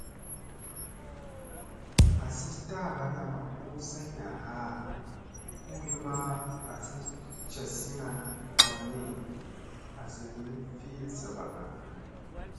Hasi taaɓana u sayna haa hu li maa asi casina waani asi hin fi saɓakga.